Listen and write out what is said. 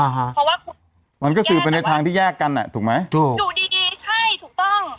เพราะว่ามันก็สื่อไปในทางที่แยกกันอ่ะถูกไหมถูกอยู่ดีดีใช่ถูกต้อง